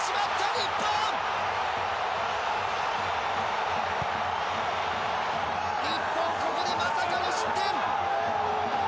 日本、ここでまさかの失点。